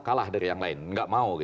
kalah dari yang lain nggak mau